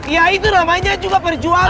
ya itu ramainya juga perjuangan